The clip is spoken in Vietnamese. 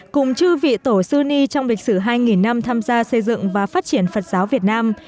cùng chư vị tổ sư ni trong lịch sử hai năm tham gia xây dựng và phát triển phật giáo việt nam